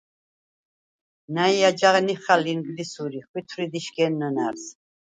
ნა̈ჲ აჯაღ ნიხალ ინგლისურ ი ხვითვრიდ იშგენ ნჷნა̈რსი.